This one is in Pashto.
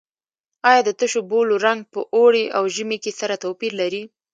آیا د تشو بولو رنګ په اوړي او ژمي کې سره توپیر لري؟